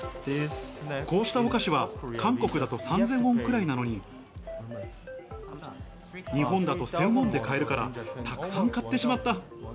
こうしたお菓子は、韓国だと３０００ウォンくらいなのに、日本だと１０００ウォンで買えるから、たくさん買ってしまった。